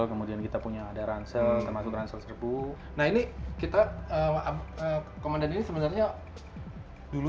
kemudian kita punya ada ransel termasuk ransel serbu nah ini kita komandan ini sebenarnya dulu